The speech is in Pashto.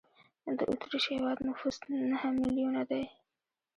د اوترېش هېواد نفوس نه میلیونه دی.